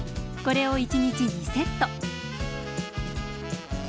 これを１日２セット。